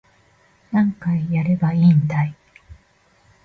何回やればいいんだい